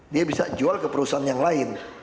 dia bisa jual ke perusahaan yang lain